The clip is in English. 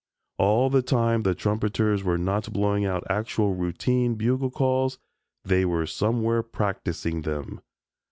All the time the trumpeters were not blowing out actual routine bugle calls, they were somewhere practicing them.